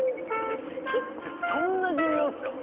好きってそんな重要っすか？